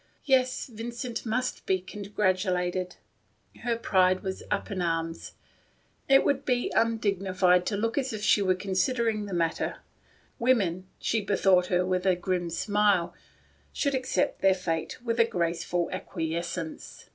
Yes, Vincent must be con gratulated. It would be undignified to look as if she were considering the matter. Women, she bethought her with a grim smile, should accept their fate with a graceful acquiescence.